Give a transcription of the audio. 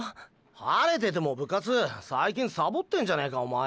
晴れてても部活最近サボってんじゃねーかおまえ。